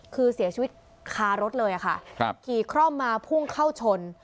คือเสียชีวิตคารถเลยค่ะขี่คร่อมมาพุ่งเข้าชน